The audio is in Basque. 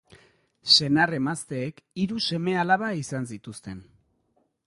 Senar-emazteek hiru seme-alaba izan zituzten.